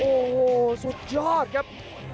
โอ้โหสุดยอดครับ